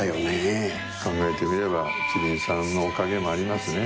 考えてみれば希林さんのおかげもありますね。